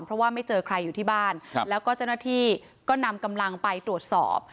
เพราะว่าไม่เจอใครอยู่ที่บ้านแล้วก็เจ้าหน้าที่ก็นำกำลังไปตรวจสอบ